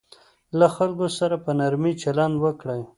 له خلکو سره په نرمي چلند وکړئ.